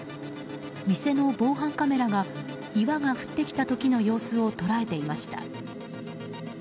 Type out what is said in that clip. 店の防犯カメラが岩が降ってきた時の様子を捉えていました。